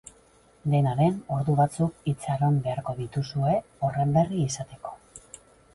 Dena den, ordu batzuk itxaron beharko dituzue horren berri izateko.